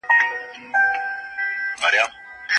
هغې پوښتنه وکړه که معلول کسان هم ستورمزلي کېدی شي.